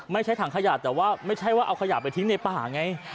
ถังขยะแต่ว่าไม่ใช่ว่าเอาขยะไปทิ้งในป่าไง